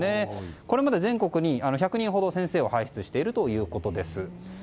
これまで全国に１００人ほど先生を輩出しているそうです。